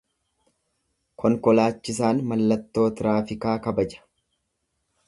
Konkolaachisaan mallattoo tiraafikaa kabaja.